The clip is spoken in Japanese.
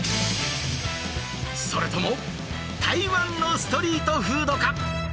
それとも台湾のストリートフードか？